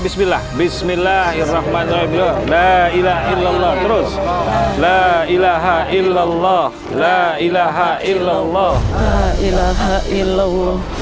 bismillah bismillahirrahmanirrahim lah ilahaillallah terus la ilahaillallah la ilahaillallah la ilahaillallah